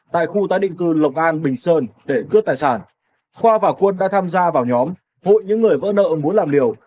tại khu tái định cư lộc an bình sơn để cướp tài sản khoa và quân đã tham gia vào nhóm hội những người vỡ nợ muốn làm liều